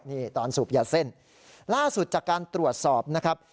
นี่ตอนสูบยาเส้นล่าสุดจากการตรวจสอบนะครับ